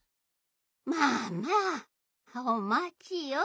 まあまあおまちよ。